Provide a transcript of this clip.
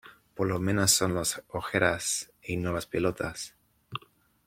por lo menos son las ojeras y no las pelotas